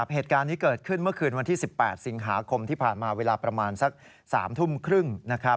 เหตุการณ์นี้เกิดขึ้นเมื่อคืนวันที่๑๘สิงหาคมที่ผ่านมาเวลาประมาณสัก๓ทุ่มครึ่งนะครับ